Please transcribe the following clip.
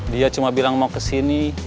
dia cuma bilang mau kesini